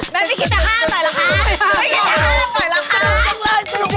แม่ไม่คิดทางข้ามหน่อยละคะ